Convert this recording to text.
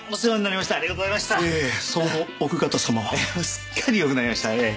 もうすっかりよくなりましたええ